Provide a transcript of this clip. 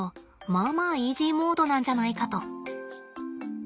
まあまあイージーモードなんじゃないかと。